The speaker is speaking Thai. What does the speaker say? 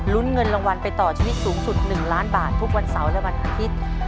เงินรางวัลไปต่อชีวิตสูงสุด๑ล้านบาททุกวันเสาร์และวันอาทิตย์